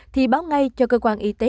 thì báo ngay cho cơ quan y tế